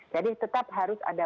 jadi kita harus meminta